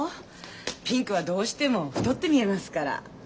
ピンクはどうしても太って見えますから。